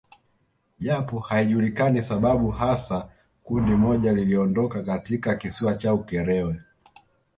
Japo haijulikani sababu hasa kundi moja liliondoka katika kisiwa cha Ukerewe